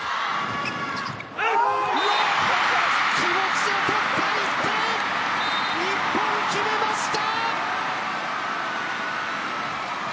気持ちで取った１点日本、決めました。